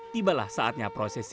tibalah saatnya prosesi